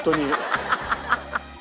アハハハ！